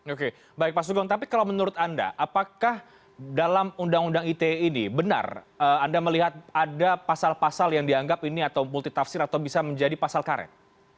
oke baik pak sugeng tapi kalau menurut anda apakah dalam undang undang ite ini benar anda melihat ada pasal pasal yang dianggap ini atau multitafsir atau bisa menjadi pasal karet